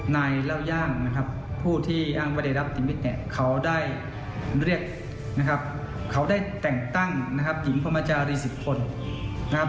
เล่าย่างนะครับผู้ที่อ้างว่าได้รับชีวิตเนี่ยเขาได้เรียกนะครับเขาได้แต่งตั้งนะครับหญิงพรมจารีสิทธนนะครับ